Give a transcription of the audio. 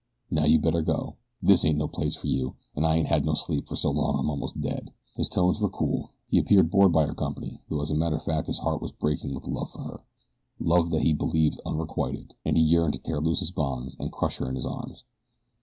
Now you better go. This ain't no place fer you, an' I ain't had no sleep fer so long I'm most dead." His tones were cool. He appeared bored by her company; though as a matter of fact his heart was breaking with love for her love that he believed unrequited and he yearned to tear loose his bonds and crush her in his arms.